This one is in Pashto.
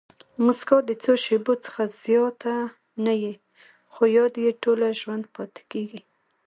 مسکا د څو شېبو څخه زیاته نه يي؛ خو یاد ئې ټوله ژوند پاتېږي.